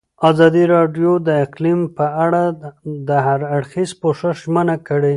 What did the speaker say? ازادي راډیو د اقلیم په اړه د هر اړخیز پوښښ ژمنه کړې.